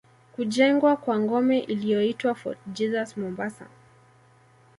Kujengwa kwa ngome iliyoitwa Fort Jesus Mombasa